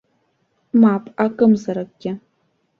Мап, акымзаракгьы.